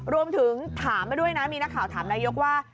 รวมถึงถามมาด้วยนะมีนักข่าวถามนายกว่า